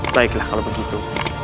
baiklah kalau begitu